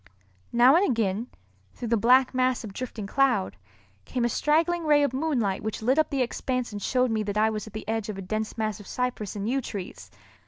Now and again, through the black mass of drifting cloud, came a straggling ray of moonlight which lit up the expanse and showed me that I was at the edge of a dense mass of cypress and yew trees.